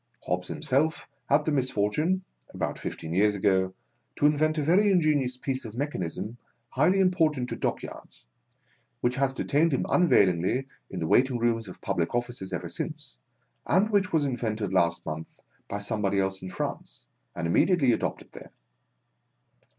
Hobbs himself had the misfortune, about fifteen yeai's ago, to invent a very ingenious piece of mechanism highly important to dockyards, which has detained him unavailinglyin the waiting rooms of public offices ever since, and which was invented last month by somebody else in France, and immediately adopted there.